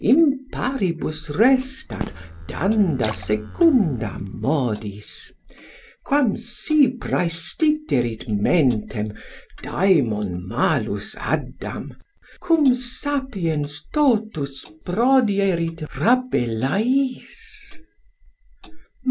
Imparibus restat danda secunda modis. Quam si praestiterit mentem Daemon malus addam, Cum sapiens totus prodierit Rabelais.